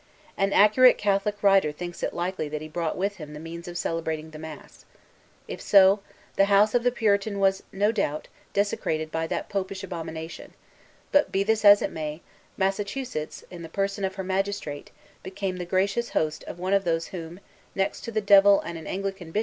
An accurate Catholic writer thinks it likely that he brought with him the means of celebrating the Mass. If so, the house of the Puritan was, no doubt, desecrated by that Popish abomination; but be this as it may, Massachusetts, in the person of her magistrate, became the gracious host of one of those whom, next to the Devil and an Anglican bishop, she most abhorred.